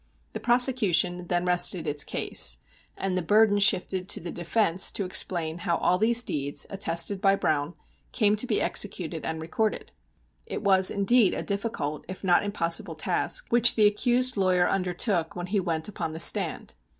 The prosecution then rested its case, and the burden shifted to the defence to explain how all these deeds, attested by Browne, came to be executed and recorded. It was indeed a difficult, if not impossible, task which the accused lawyer undertook when he went upon the stand.